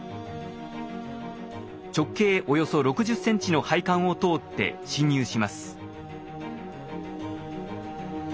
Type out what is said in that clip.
直径およそ６０ｃｍの配管を通って進入します。